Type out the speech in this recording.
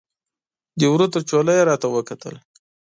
د وره تر چوله یې راته وکتل